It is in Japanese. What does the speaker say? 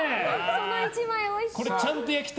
その１枚、おいしそう。